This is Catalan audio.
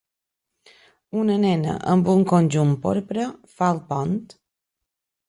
Una nena amb un conjunt porpra fa el pont.